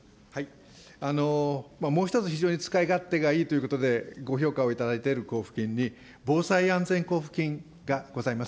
もう１つ、非常に使い勝手がいいということで、ご評価を頂いている交付金に、防災安全交付金がございます。